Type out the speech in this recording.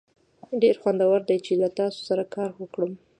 ډیر خوندور دی چې له تاسو سره کار وکړم.